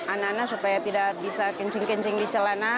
anak anak supaya tidak bisa kencing kencing di celana